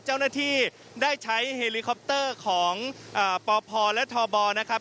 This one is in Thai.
เจ้าหน้าที่ได้ใช้เฮลิคอปเตอร์ของปพและทบนะครับ